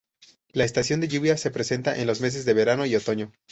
La estación de lluvia se presenta en los meses de verano y otoño.